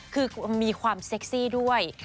คือมีความเซ็กซี่ด้วย